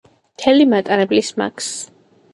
მთელი მატარებლის მაქს.